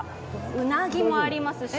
うなぎもありますし。